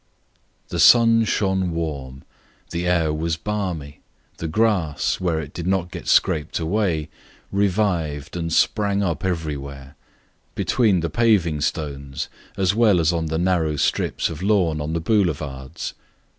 The sun shone warm, the air was balmy; everywhere, where it did not get scraped away, the grass revived and sprang up between the paving stones as well as on the narrow strips of lawn on the boulevards.